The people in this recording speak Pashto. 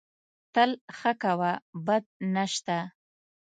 تل ښه کوه، بد نه سته